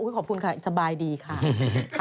ขอบคุณค่ะสบายดีค่ะ